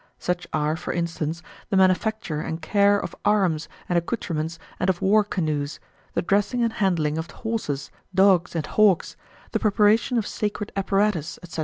Such are, for instance, the manufacture and care of arms and accoutrements and of war canoes, the dressing and handling of horses, dogs, and hawks, the preparation of sacred apparatus, etc.